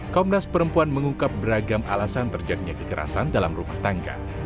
komnas perempuan mengungkap beragam alasan terjadinya kekerasan dalam rumah tangga